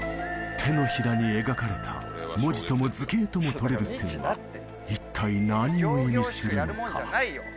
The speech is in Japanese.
手のひらに描かれた文字とも図形とも取れる線は一体何を意味するのか？